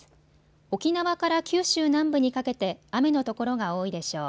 沖縄から九州南部にかけて雨の所が多いでしょう。